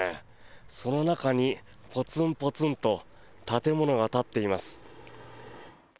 その中にポツンポツンと建物が立っています。